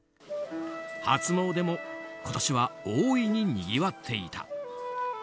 初詣も、今年は大いににぎわっていた。